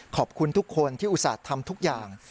ขอบคุณทุกคนที่อุตส่าห์ทำทุกอย่าง